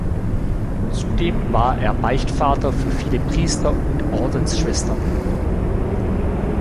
Zudem war er Beichtvater für viele Priester und Ordensschwestern.